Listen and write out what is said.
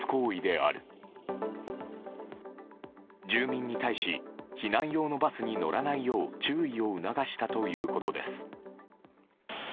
住民に対し避難用のバスに乗らないよう注意を促したということです。